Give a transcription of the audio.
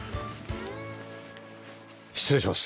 失礼します。